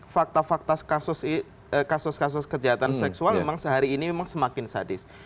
fakta fakta kasus kasus kejahatan seksual memang sehari ini memang semakin sadis